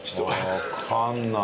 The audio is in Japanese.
わかんない。